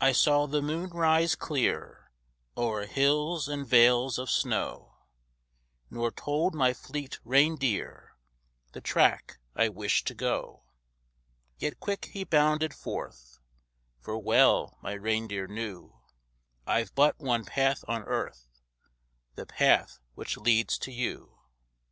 I saw the moon rise clear O'er hills and vales of snow Nor told my fleet reindeer The track I wished to go. Yet quick he bounded forth; For well my reindeer knew I've but one path on earth The path which leads to you.